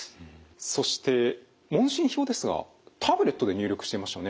そして問診票ですがタブレットで入力していましたね。